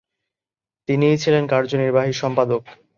তিনিই ছিলেন কার্যনির্বাহী সম্পাদক।